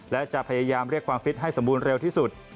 และจะพยายามเรียกความฟิตให้สมบูรณ์เร็วที่สุด